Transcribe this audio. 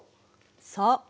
そう。